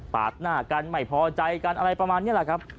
หน้ากันไม่พอใจกันอะไรประมาณนี้แหละครับ